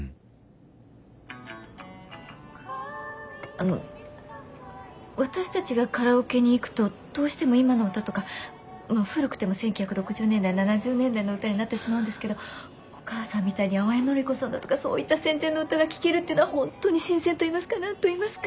あの私たちがカラオケに行くとどうしても今の歌とか古くても１９６０年代７０年代の歌になってしまうんですけどお母さんみたいに淡谷のり子さんだとかそういった戦前の歌が聴けるっていうのは本当に新鮮といいますか何といいますか。